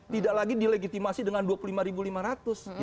tidak lagi dilegitimasi dengan rp dua puluh lima lima ratus